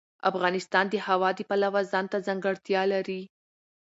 افغانستان د هوا د پلوه ځانته ځانګړتیا لري.